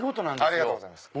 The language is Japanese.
ありがとうございます！